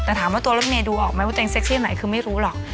แต่ถามว่าตัวรถเมย์ดูออกไหมว่าตัวเองเซ็กซี่ไหนคือไม่รู้หรอก